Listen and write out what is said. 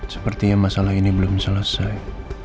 sepertinya masalah ini belum selesai